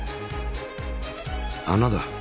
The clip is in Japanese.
穴だ！